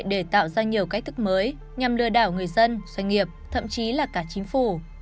để tạo ra nhiều cách thức mới nhằm lừa đảo người dân doanh nghiệp thậm chí là cả chính phủ